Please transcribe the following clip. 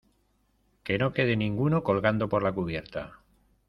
que no quede ninguno colgando por la cubierta.